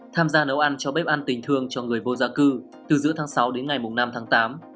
tham gia nấu ăn cho bếp ăn tình thương cho người vô gia cư từ giữa tháng sáu đến ngày năm tháng tám